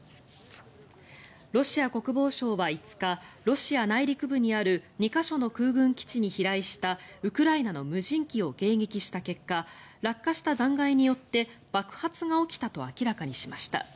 ロシア国防省は５日ロシア内陸部にある２か所の空軍基地に飛来したウクライナの無人機を迎撃した結果落下した残骸によって爆発が起きたと明らかにしました。